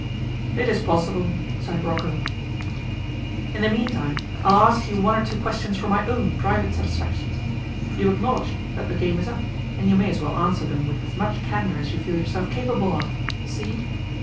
'It is possible,' sighed Rocco. 'In the meantime, I'll ask you one or two questions for my own private satisfaction. You've acknowledged that the game is up, and you may as well answer them with as much candour as you feel yourself capable of. See?